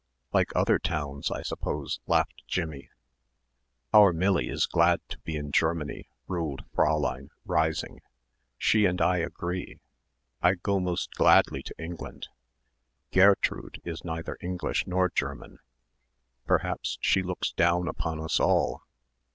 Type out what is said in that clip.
"Like other towns I suppose," laughed Jimmie. "Our Millie is glad to be in Germany," ruled Fräulein, rising. "She and I agree I go most gladly to England. Gairtrud is neither English nor German. Perhaps she looks down upon us all."